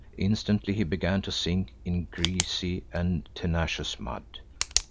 Instantly he began to sink in greasy and tenacious mud.